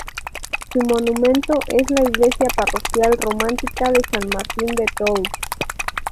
Su monumento es la iglesia parroquial románica de San Martín de Tours.